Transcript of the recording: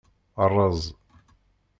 Ṛez.